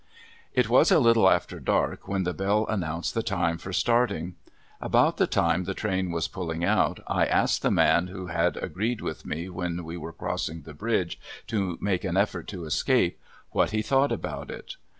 It was a little after dark when the bell announced the time for starting. About the time the train was pulling out I asked the man who had agreed with me when we were crossing the bridge to make an effort to escape, what he thought about it.